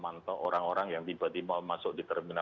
mantau orang orang yang tiba tiba masuk di terminal